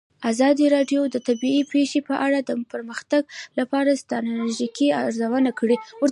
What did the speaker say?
ازادي راډیو د طبیعي پېښې په اړه د پرمختګ لپاره د ستراتیژۍ ارزونه کړې.